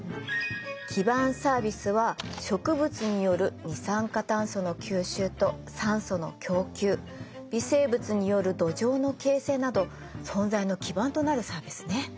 基盤サービスは植物による二酸化炭素の吸収と酸素の供給微生物による土壌の形成など存在の基盤となるサービスね。